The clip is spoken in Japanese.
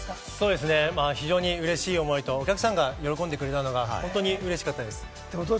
非常にうれしい思いと、お客さんが喜んでくれたのが本当に嬉しかったです。